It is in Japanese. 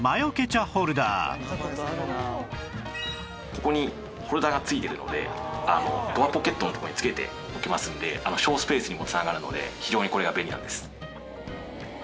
ここにホルダーがついてるのでドアポケットのとこにつけておけますんで省スペースにも繋がるので非常にこれは便利なんです。